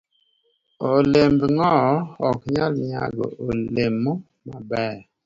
D. Olemb ng'owo ne ok nyal nyago olemo mabeyo.